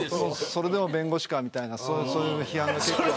それでも弁護士かみたいなそういう批判が。